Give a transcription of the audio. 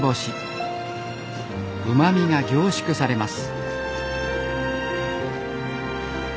うまみが凝縮されます。